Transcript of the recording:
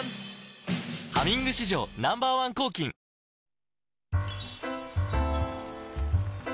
「ハミング」史上Ｎｏ．１抗菌さて！